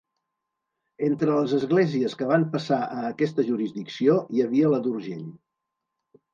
Entre les esglésies que van passar a aquesta jurisdicció hi havia la d'Urgell.